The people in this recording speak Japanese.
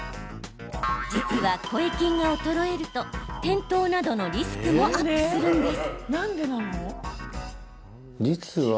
実は、声筋が衰えると転倒などのリスクもアップするんです。